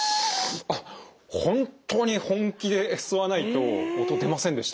あっ本当に本気で吸わないと音出ませんでした。